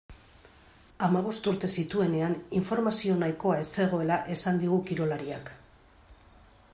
Hamabost urte zituenean informazio nahikoa ez zegoela esan digu kirolariak.